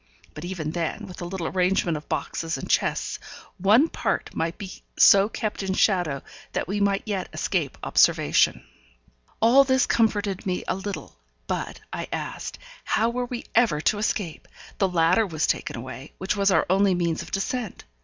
But even then, with a little arrangement of boxes and chests, one part might be so kept in shadow that we might yet escape observation. All this comforted me a little; but, I asked, how were we ever to escape? The ladder was taken away, which was our only means of descent.